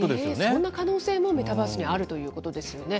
そんな可能性もメタバースにはあるということですよね。